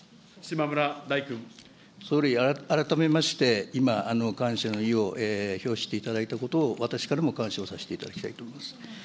総理、改めまして、今、感謝の意を表していただいたことを、私からも感謝をさせていただきたいと思います。